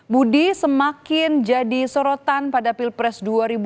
budi semakin jadi sorotan pada pilpres dua ribu dua puluh